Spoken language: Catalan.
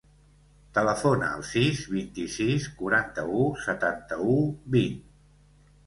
Telefona al sis, vint-i-sis, quaranta-u, setanta-u, vint.